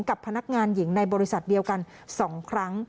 กับพนักงานหญิงในบริษัทเดียวกัน๒ครั้ง